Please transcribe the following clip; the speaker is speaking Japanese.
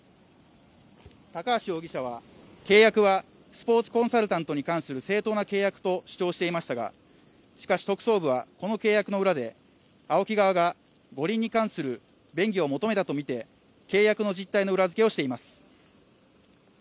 高橋容疑者は、契約はスポーツコンサルタントに関する正当な契約と主張していましたがしかし特捜部はこの契約の裏でＡＯＫＩ側が五輪に関する便宜を求めたとみて契約の実態の裏付けをしています。